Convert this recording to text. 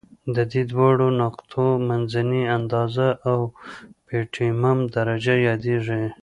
د دې دواړو نقطو منځنۍ اندازه اؤپټیمم درجه یادیږي.